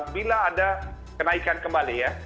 bila ada kenaikan kembali ya